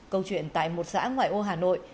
câu chuyện tại một xã ngoại ô hà nội